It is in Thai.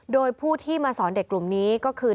โดยผู้ที่มาสอนเด็กกลุ่มนี้ก็คือ